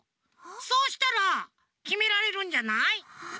そうしたらきめられるんじゃない？